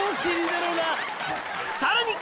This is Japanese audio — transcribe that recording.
さらに！